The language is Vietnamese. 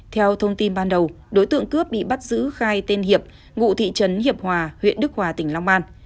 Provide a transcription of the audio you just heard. theo thông tin ban đầu đối tượng cướp bị bắt giữ khai tên hiệp ngụ thị trấn hiệp hòa huyện đức hòa tỉnh long an